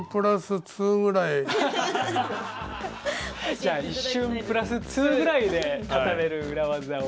じゃあ一瞬プラス２ぐらいでたためる裏ワザを。